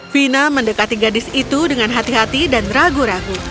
vina mendekati gadis itu dengan hati hati dan ragu ragu